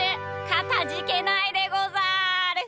かたじけないでござる！